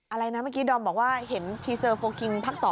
อะไรนะเมื่อกี้ดอมบอกว่าเห็นทีเซอร์โฟลคิงพัก๒